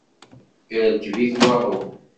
Irkeb-it waḍu.